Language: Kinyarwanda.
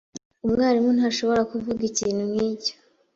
Umwarimu ntashobora kuvuga ikintu nkicyo.